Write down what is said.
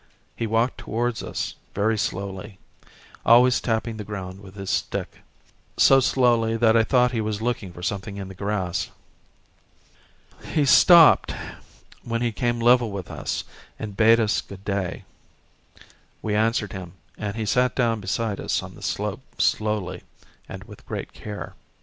He walked towards us very slowly, always tapping the ground with his stick, so slowly that I thought he was looking for something in the grass. He stopped when he came level with us and bade us good day. We answered him and he sat down beside us on the slope slowly and with great care.